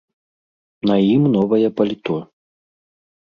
На ім новае паліто.